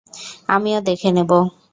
আমিও দেখে নেব।